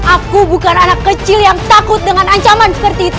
aku bukan anak kecil yang takut dengan ancaman seperti itu